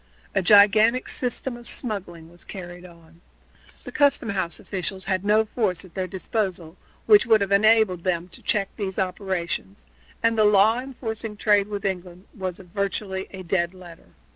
A gigantic system of smuggling was carried on. The custom house officials had no force at their disposal which would have enabled them to check these operations, and the law enforcing a trade with England was virtually a dead letter.